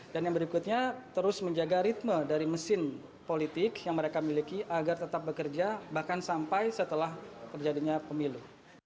dan yang berikutnya terus menjaga ritme dari mesin politik yang mereka miliki agar tetap bekerja bahkan sampai setelah terjadinya pemilu